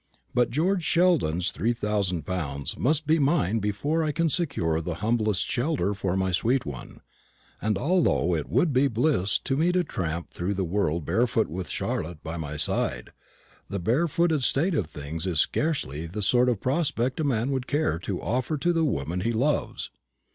But George Sheldon's three thousand pounds must be mine before I can secure the humblest shelter for my sweet one; and although it would be bliss to me to tramp through the world barefoot with Charlotte by my side, the barefooted state of things is scarcely the sort of prospect a man would care to offer to the woman he loves.